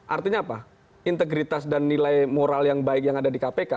artinya apa integritas dan nilai moral yang baik yang ada di kpk